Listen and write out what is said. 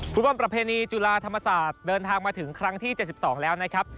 ประเพณีจุฬาธรรมศาสตร์เดินทางมาถึงครั้งที่๗๒แล้วนะครับ